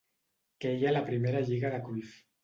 Queia la primera lliga de Cruyff.